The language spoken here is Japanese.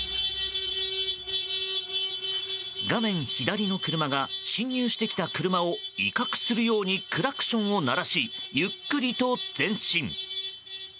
画面左の車が進入してきた車を威嚇するようにクラクションを鳴らしゆっくりと前進。